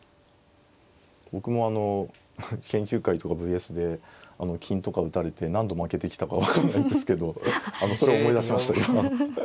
僕もあの研究会とかＶＳ．で金とか打たれて何度負けてきたか分かんないんですけどそれを思い出しました今。